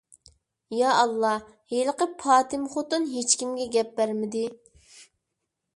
يائاللا، ھېلىقى پاتمىخوتۇن ھېچكىمگە گەپ بەرمىدى.